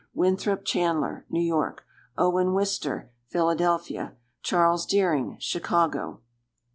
Winthrop Chanler, New York. Owen Wister, Philadelphia. Charles Deering, Chicago.